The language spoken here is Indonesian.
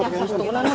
yang satu satunya kan